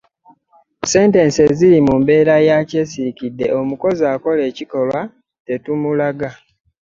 Sentensi eziri mu mbeera ya kyesirikidde omukozi akola ekikolwa tetumulaga.